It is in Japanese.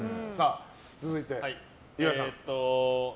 続いて、岩井さん。